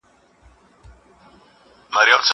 هغه څوک چي لاس مينځي روغ وي!